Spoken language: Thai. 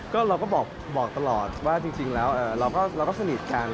ก็เราก็บอกตลอดว่าจริงแล้วเราก็สนิทกัน